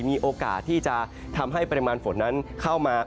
มีโอกาสที่จะทำให้ปริมาณฝนนั้นเข้ามา